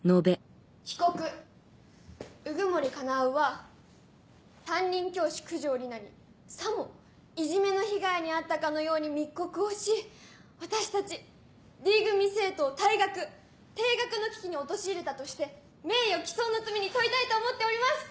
被告鵜久森叶は担任教師九条里奈にさもいじめの被害に遭ったかのように密告をし私たちＤ組生徒を退学停学の危機に陥れたとして名誉毀損の罪に問いたいと思っております！